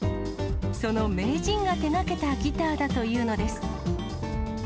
その名人が手がけたギターだというのです。